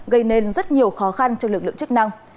gây nên rất nhiều khó khăn cho lực lượng chức năng